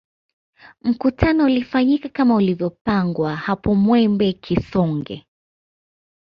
Mkutano ulifanyika kama ulivyopangwa hapo Mwembe Kisonge